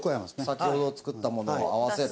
先ほど作ったものを合わせる。